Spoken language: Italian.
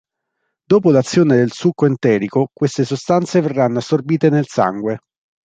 Dopo l'azione del succo enterico, queste sostanze verranno assorbite nel sangue.